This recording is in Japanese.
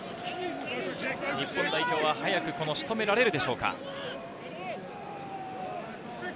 日本代表は早く仕留められるでしょうか。